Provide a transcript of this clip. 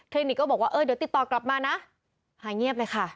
นิกก็บอกว่าเออเดี๋ยวติดต่อกลับมานะหายเงียบเลยค่ะ